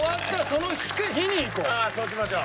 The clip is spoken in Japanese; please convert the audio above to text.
ああそうしましょう。